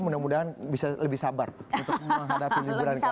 mudah mudahan bisa lebih sabar untuk menghadapi liburan kali ini